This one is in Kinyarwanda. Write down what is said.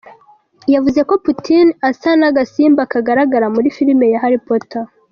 Yavuze ko Putin asa n’agasimba kagaragara muri film ya ‘Harry Potter’.